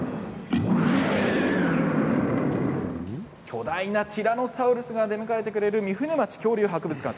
巨大なティラノサウルスが出迎えてくれる御船町恐竜博物館。